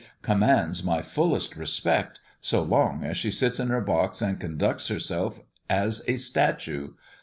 commands my fullest respect, so long as she sits in her box and conducts herself as a statue.